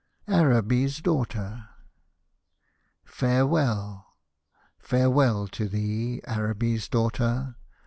ARABY'S DAUGHTER Farewell— farewell to thee, Araby's daughter!